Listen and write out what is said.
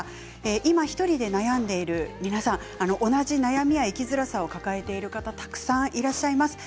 今１人で悩んでいる皆さん同じ悩みや生きづらさを抱えている方たくさんいらっしゃいます。